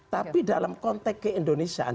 tapi dalam konteks ke indonesia